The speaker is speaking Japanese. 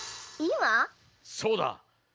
そうだ！